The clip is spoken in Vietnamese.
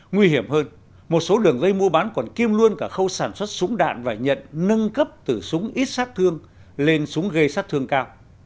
nguy hiểm hơn một số đường dây mua bán còn kiêm luôn cả khâu sản xuất súng đạn và nhận nâng cấp từ súng ít sát thương lên súng gây sát thương cao